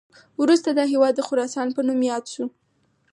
وروسته دا هیواد د خراسان په نوم یاد شو